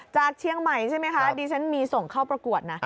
จากเชียงใหม่ใช่ไหมคะดิฉันมีส่งเข้าประกวดนะ